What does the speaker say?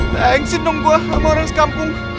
thanksin dong gue sama orang sekampung